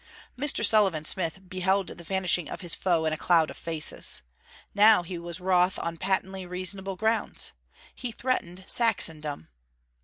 Mr. Sullivan Smith beheld the vanishing of his foe in a cloud of faces. Now was he wroth on patently reasonable grounds. He threatened Saxondom.